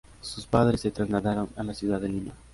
Sus padres se trasladaron a la ciudad de Lima.